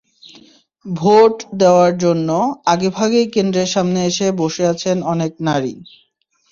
Vote দেওয়ার জন্য আগেভাগেই কেন্দ্রের সামনে এসে বসে আছেন অনেক নারী।